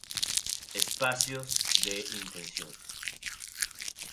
Espacios de intención.